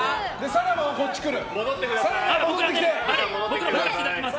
さらばはこっち来る。